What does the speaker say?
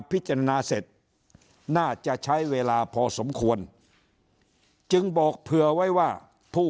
พิจารณาเสร็จน่าจะใช้เวลาพอสมควรจึงบอกเผื่อไว้ว่าผู้